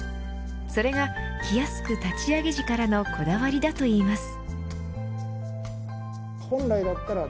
それがキヤスク立ち上げ時からのこだわりだといいます。